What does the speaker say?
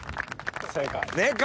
正解。